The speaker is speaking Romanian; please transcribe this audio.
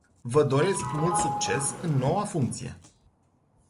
Vă doresc mult succes în noua funcție!